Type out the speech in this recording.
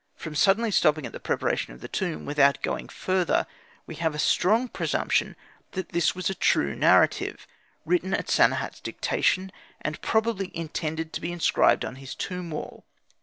From suddenly stopping at the preparation of the tomb, without going further, we have a strong presumption that this was a true narrative, written at Sanehat's dictation, and probably intended to be inscribed on his tomb wall.